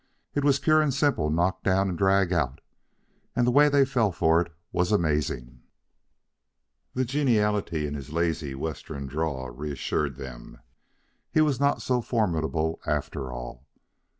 It was pure and simple knock down and drag out. And the way they fell for it was amazin'." The geniality in his lazy Western drawl reassured them. He was not so formidable, after all.